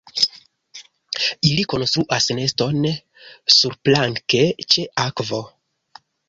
Ili konstruas neston surplanke ĉe akvo.